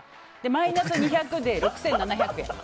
マイナス２００で６７００円。